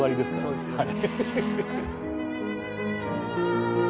そうですよね。